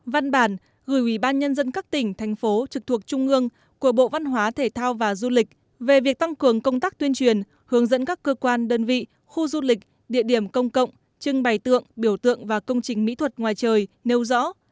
văn bản gửi ủy ban nhân dân các tỉnh thành phố trực thuộc trung ương của bộ văn hóa thể thao và du lịch về việc tăng cường công tác tuyên truyền hướng dẫn các cơ quan đơn vị khu du lịch địa điểm công cộng trưng bày tượng biểu tượng và công trình mỹ thuật ngoài trời nêu rõ